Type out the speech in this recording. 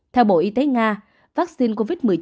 theo bộ y tế nga vaccine covid một mươi chín